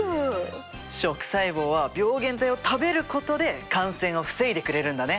食細胞は病原体を食べることで感染を防いでくれるんだね。